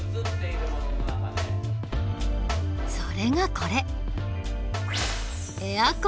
それがこれ。